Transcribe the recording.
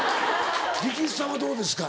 力士さんはどうですか？